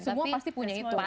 semua pasti punya itu